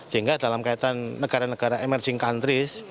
sehingga dalam kaitan negara negara emerging countries